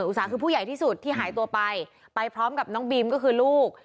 อุสาคือผู้ใหญ่ที่สุดที่หายตัวไปไปพร้อมกับน้องบีมก็คือลูก